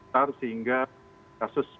dan sehingga kasus pembunuhan